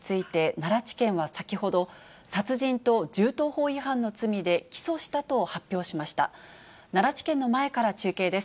奈良地検の前から中継です。